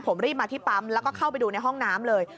ผมรีบมาที่ปั๊มแล้วก็เข้าไปดูในห้องน้ำเลย